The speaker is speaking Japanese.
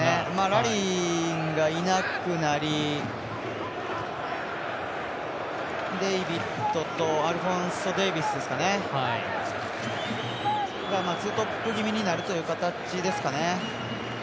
ラリンがいなくなりデイビッドとアルフォンソ・デイビスがツートップ気味になるという形ですかね。